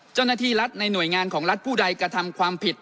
เจ้าหน้าที่รัฐในหน่วยงานของรัฐผู้ใดกระทำความผิด